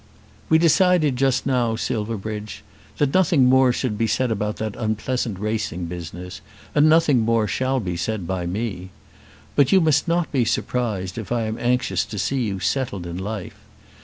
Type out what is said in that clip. "We decided just now, Silverbridge, that nothing more should be said about that unpleasant racing business, and nothing more shall be said by me. But you must not be surprised if I am anxious to see you settled in life.